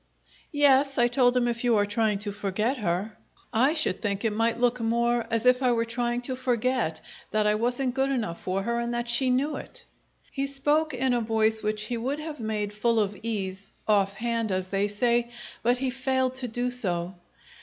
"Yes," I told him, "if you are trying to forget her." "I should think it might look more as if I were trying to forget that I wasn't good enough for her and that she knew it!" He spoke in a voice which he would have made full of ease "off hand," as they say; but he failed to do so.